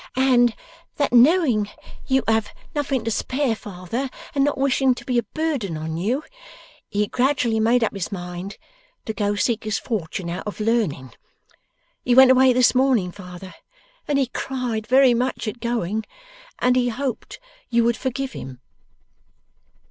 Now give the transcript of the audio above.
' And that knowing you have nothing to spare, father, and not wishing to be a burden on you, he gradually made up his mind to go seek his fortune out of learning. He went away this morning, father, and he cried very much at going, and he hoped you would forgive him.